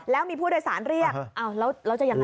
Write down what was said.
แล้วมีผู้โดยสารเรียกแล้วจะยังไง